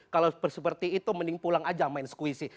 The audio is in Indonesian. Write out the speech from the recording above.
kalau seperti itu mending pulang aja main sekuisi